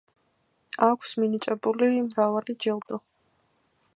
აქვს მინიჭებული მრავალი ჯილდო.